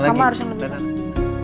enggak kamu harus yang lebih